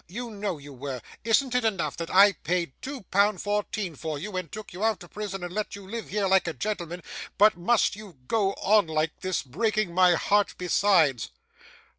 You know you were! Isn't it enough that I paid two pound fourteen for you, and took you out of prison and let you live here like a gentleman, but must you go on like this: breaking my heart besides?